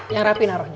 yang rapi narohnya